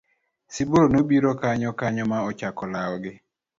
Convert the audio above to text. Sibuor nobiro kanyo kanyo ma ochako lawogi.